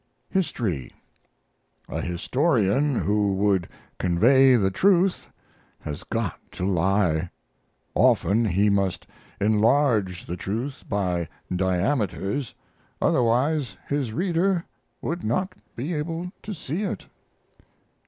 HISTORY A historian who would convey the truth has got to lie. Often he must enlarge the truth by diameters, otherwise his reader would not be able to see it.